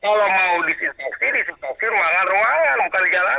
kalau mau disinfeksi disinfeksi ruangan ruangan bukan jalanan